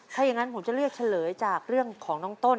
ถ้าอย่างนั้นผมจะเลือกเฉลยจากเรื่องของน้องต้น